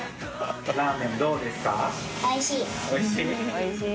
おいしい？